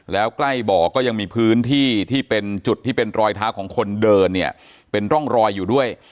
แล้วใกล้บ่อก็ยังมีพื้นที่ที่เป็นจุดที่เป็นรอยเท้าของคนเดินเนี่ยเป็นร่องรอยอยู่ด้วย